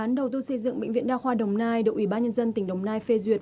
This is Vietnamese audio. dự án đầu tư xây dựng bệnh viện đa khoa đồng nai được ủy ban nhân dân tỉnh đồng nai phê duyệt